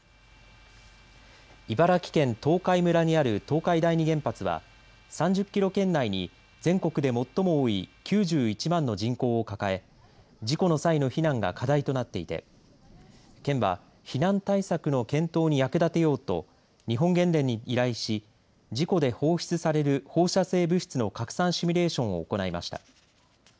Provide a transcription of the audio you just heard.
茨城県東海村にある東海第二原発は３０キロ圏内に全国で最も多い９１万の人口を抱え事故の際の避難が課題となっていて県は避難対策の検討に役立てようと日本原電に依頼し事故で放出される放射性物質の拡散シミュレーションを行いました。